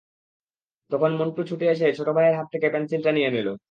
তখন মন্টু ছুটে এসে ছোট ভাইয়ের হাত থেকে পেনসিলটা নিয়ে নিল।